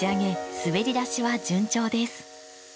滑り出しは順調です。